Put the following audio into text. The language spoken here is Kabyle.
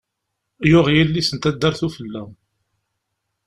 Yuɣ yelli-s n taddart ufella.